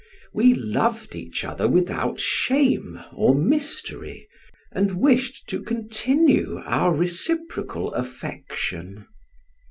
We loved each other without shame or mystery, and wished to continue our reciprocal affection.